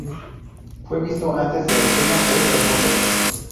Fue visto antes del estreno de "Los Muppets".